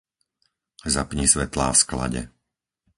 Zapni svetlá v sklade.